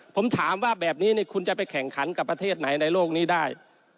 ผมถามว่าแบบนี้คุณจะไปแข่งขันกับประเทศไหนในโลกนี้ได้